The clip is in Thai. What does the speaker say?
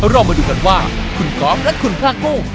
เรามาดูกันว่าคุณกอล์ฟและคุณพระกุ้ง